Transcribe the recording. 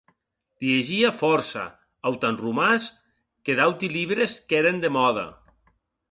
Liegie fòrça, autant romans que d'auti libres qu'èren de mòda.